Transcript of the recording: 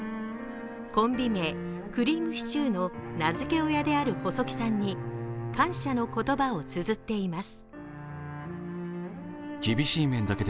コンビ名・くりぃむしちゅーの名付け親である細木さんに感謝の言葉をつづっています。